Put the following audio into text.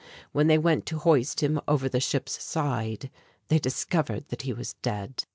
When they went to hoist him over the ship's side they discovered that he was dead.